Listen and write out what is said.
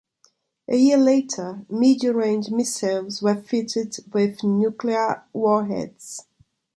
A year later, medium range missiles were fitted with nuclear warheads.